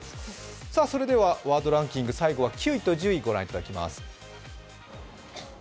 ワードランキング、最後は９位と１０位を御覧いただきます。